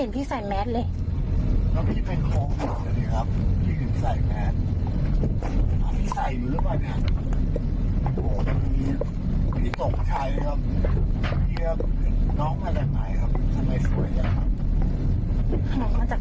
มาจากบ้านไม่ได้เจอผิดน่าอร่างออก